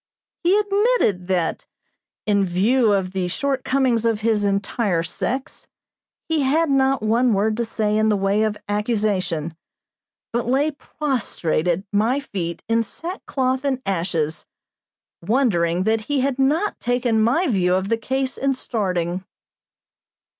He admitted that, in view of the shortcomings of his entire sex, he had not one word to say in the way of accusation, but lay prostrate at my feet in sackcloth and ashes, wondering that he had not taken my view of the case in starting.